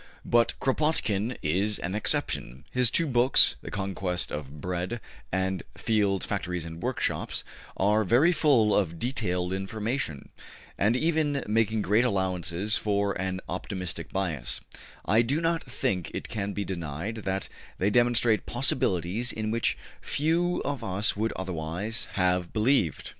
But Kropotkin is an exception. His two books, ``The Conquest of Bread'' and ``Fields, Factories and Workshops,'' are very full of detailed information, and, even making great allowances for an optimistic bias, I do not think it can be denied that they demonstrate possibilities in which few of us would otherwise have believed.